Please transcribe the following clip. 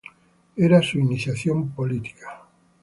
Era su iniciación política.